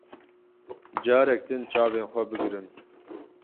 Carek din çavên xwe bigirin.